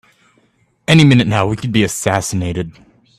Any minute now we could be assassinated!